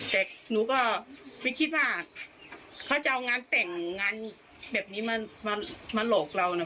แต่หนูก็ไม่คิดว่าเขาจะเอางานแต่งงานแบบนี้มาหลอกเรานะ